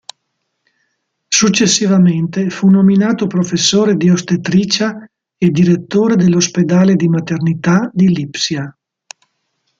Successivamente fu nominato professore di ostetricia e direttore dell'ospedale di maternità di Lipsia.